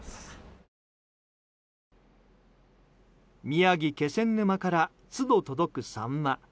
宮城・気仙沼から都度届くサンマ。